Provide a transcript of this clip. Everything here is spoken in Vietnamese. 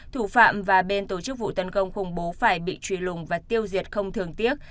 thủ phạm và bên tổ chức vụ tấn công khủng bố phải bị truy lùng và tiêu diệt không thường tiếc